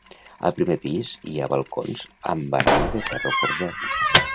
Al primer pis hi ha balcons amb barana de ferro forjat.